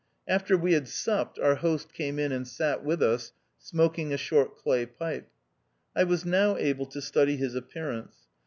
After we had supped, our host came in and sat with us, smoking a short clay pipe. I was now able to study his appearance.